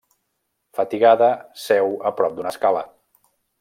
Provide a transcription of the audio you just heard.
Fatigada, seu a prop d'una escala.